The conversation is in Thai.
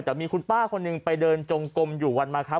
แต่มีคุณป้าคนหนึ่งไปเดินจงกลมอยู่วันมาครับ